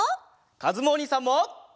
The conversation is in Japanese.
かずむおにいさんも！